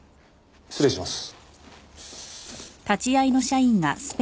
失礼します。